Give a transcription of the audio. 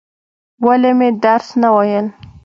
ولې مې درس نه وایل؟